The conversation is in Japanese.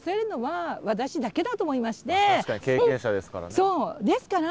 確かに経験者ですからね。